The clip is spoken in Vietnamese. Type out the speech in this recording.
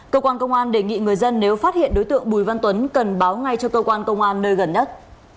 cơ quan công an đề nghị người dân nếu phát hiện đối tượng bùi văn tuấn cần báo ngay cho cơ quan công an nơi gần nhất